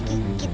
aku mau lihat